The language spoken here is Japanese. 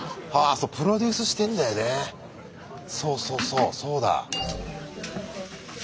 そうそうそうそうだ。